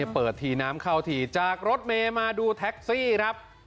เปิดทีน้ำเข้าทีจากรถเมย์มาดูแท็กซี่ครับ